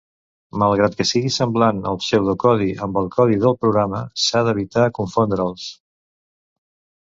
Malgrat que sigui semblant el pseudocodi amb el codi del programa, s'ha d’evitar confondre'ls.